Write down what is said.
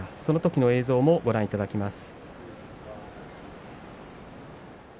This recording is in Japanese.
そのときの映像をご覧いただきます。